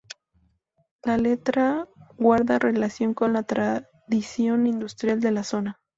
La letra guarda relación con la tradición industrial de la zona.